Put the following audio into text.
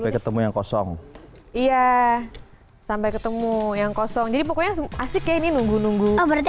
ketemu yang kosong iya sampai ketemu yang kosong jadi pokoknya asik ya ini nunggu nunggu berarti